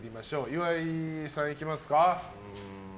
岩井さん、いきますか。